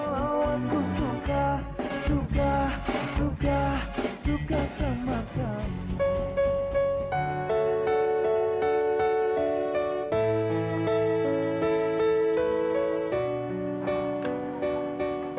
tolong jangan sakitkan